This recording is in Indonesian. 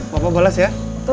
papa balas ya